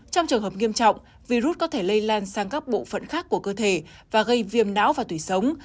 trong trường hợp nghiêm trọng virus có thể lây lan sang các bộ phận khác của cơ thể và gây viêm não và tủy sống